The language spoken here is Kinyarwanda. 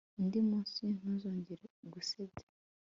undi munsi ntuzongere gusebya